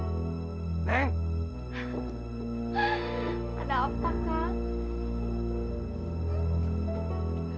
ada apa kak